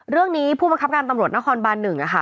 เรื่องนี้ผู้บังคับการตำรวจนครบัน๑นะคะ